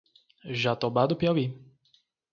Jatobá do Piauí